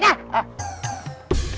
udah ya tat